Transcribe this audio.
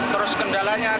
terus kendalanya kita